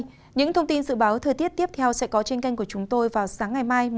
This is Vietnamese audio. những thông tin dự báo thời tiết tiếp theo sẽ có trên kênh của chúng tôi vào sáng ngày mai một mươi năm tháng ba